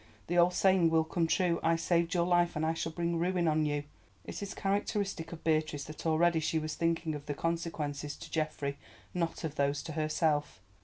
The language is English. The old saying will come true. I saved your life, and I shall bring ruin on you!" It is characteristic of Beatrice that already she was thinking of the consequences to Geoffrey, not of those to herself.